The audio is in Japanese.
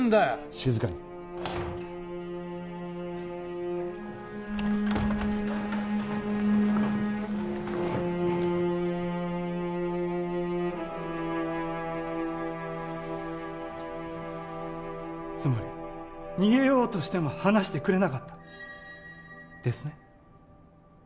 静かにつまり逃げようとしても離してくれなかったですね？